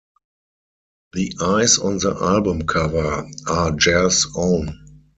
The eyes on the album cover are Jarre's own.